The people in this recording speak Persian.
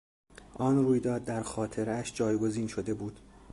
آن رویداد در خاطرهاش جایگزین شده بود.